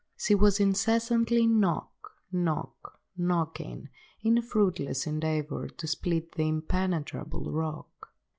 She was incessantly knock, knock, knocking, in a fruitless endeavour to split the impenetrable rock.